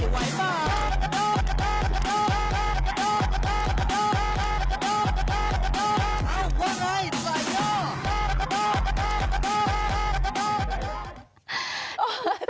อื้อชอบ